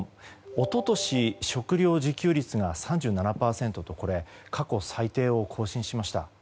一昨年、食料自給率が３７％と過去最低を更新しました。